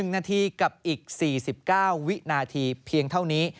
๑นาทีกับอีก๔๙วินาทีเพียงเท่านี้